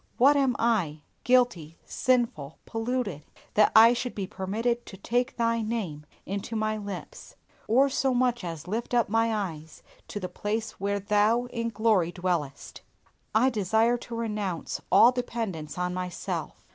What am I, guilty, sinful, polluted, that I should be permitted to take Thy name into my lips, or so much as lift up my eyes to the place where Thou in glory dwellest! I desire to renounce all dependence on myself.